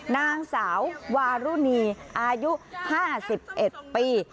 นางสาววารุณีอายุ๕๑ปี